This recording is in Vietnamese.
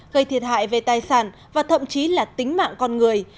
gây thiệt hại về tài sản và thậm chí là tính mạng con người